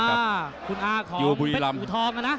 อ่าคุณอาของเบ็ดหูทองอ่ะนะ